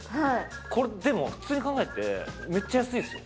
でも普通に考えてめっちゃ安いですよ。